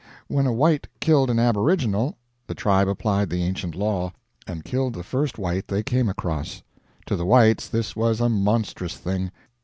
When a white killed an aboriginal, the tribe applied the ancient law, and killed the first white they came across. To the whites this was a monstrous thing.